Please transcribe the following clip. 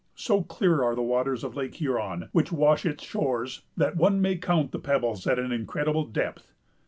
So clear are the waters of Lake Huron, which wash its shores, that one may count the pebbles at an incredible depth.